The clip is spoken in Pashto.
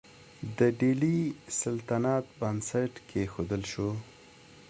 د ډیلي سلطنت بنسټ کیښودل شو.